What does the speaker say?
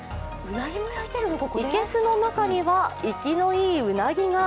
いけすの中にはいきのいいうなぎが。